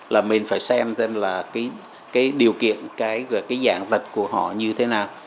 là mình phải xem thêm là cái điều kiện cái dạng tật của họ như thế nào